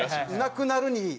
なくなるに。